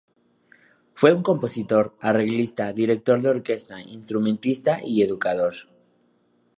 Fue un compositor, arreglista, director de orquesta, instrumentista y educador.